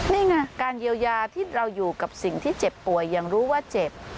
นี่ไงการเยียวยาที่เราอยู่กับสิ่งที่เจ็บป่วยยังรู้ว่าเจ็บ